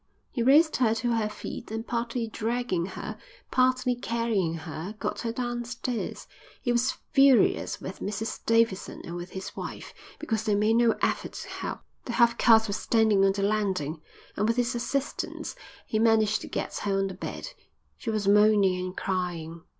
He raised her to her feet and partly dragging her, partly carrying her, got her downstairs. He was furious with Mrs Davidson and with his wife because they made no effort to help. The half caste was standing on the landing and with his assistance he managed to get her on the bed. She was moaning and crying.